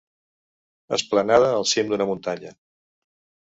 Esplanada al cim d'una muntanya.